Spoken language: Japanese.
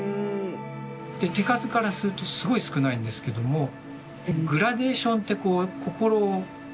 で手数からするとすごい少ないんですけどもグラデーションってこう心を何て言うんですかね